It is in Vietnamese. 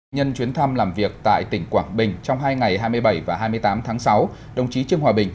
nhân chuyến thăm làm việc tại tỉnh quảng bình trong hai ngày hai mươi bảy và hai mươi tám tháng sáu đồng chí trương hòa bình